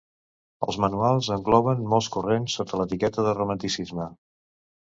Els manuals engloben molts corrents sota l'etiqueta de romanticisme.